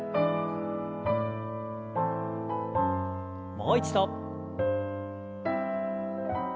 もう一度。